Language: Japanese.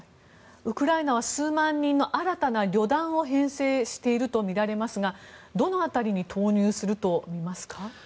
ウクライナは数万人の新たな旅団を編成しているとみられますがどの辺りに投入すると見ますか。